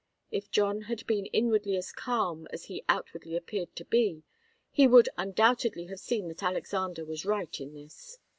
If John had been inwardly as calm as he outwardly appeared to be, he would undoubtedly have seen that Alexander was right in this.